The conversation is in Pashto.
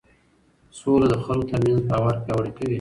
سوله د خلکو ترمنځ باور پیاوړی کوي